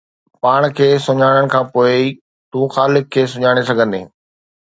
پاڻ کي سڃاڻڻ کان پوءِ ئي تون خالق کي سڃاڻي سگهندين.